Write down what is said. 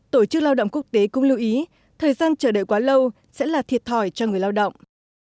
tổ chức lao động quốc tế cũng lưu ý thời gian chờ đợi quá lâu sẽ là thiệt thòi cho người lao động